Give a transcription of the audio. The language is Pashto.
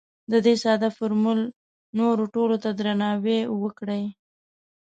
د دې ساده فورمول نورو ټولو ته درناوی وکړئ.